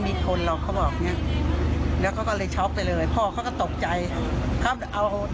มีคนหรอกเขาบอกเนี่ยแล้วก็เลยช็อคไปเลยพ่อเขาก็ตกใจ